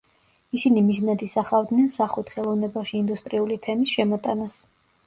ისინი მიზნად ისახავდნენ სახვით ხელოვნებაში ინდუსტრიული თემის შემოტანას.